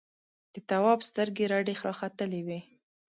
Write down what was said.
د تواب سترګې رډې راختلې وې.